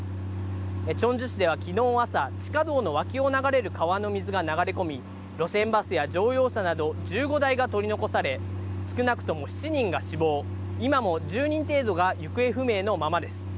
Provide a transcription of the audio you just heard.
チョンジュ市ではきのう朝、地下道の脇を流れる川の水が流れ込み、路線バスや乗用車など１５台が取り残され、少なくとも７人が死亡、今も１０人程度が行方不明のままです。